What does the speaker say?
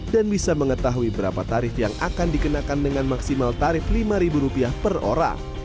bisa mengetahui berapa tarif yang akan dikenakan dengan maksimal tarif rp lima per orang